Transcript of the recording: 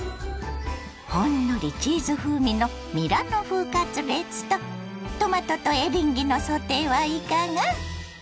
ほんのりチーズ風味のミラノ風カツレツとトマトとエリンギのソテーはいかが？